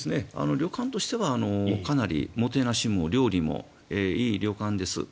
旅館としてはかなりもてなしも料理もいい旅館です。